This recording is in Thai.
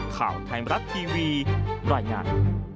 ข่าวไทยมรัฐทีวีบรรยายงาน